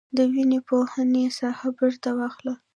د ويي پوهنې ساحه بیرته واخله.